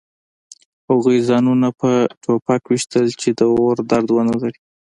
هغوی ځانونه په ټوپک ویشتل چې د اور درد ونلري